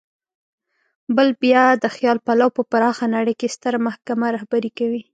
بل بیا د خیال پلو په پراخه نړۍ کې ستره محکمه رهبري کوي.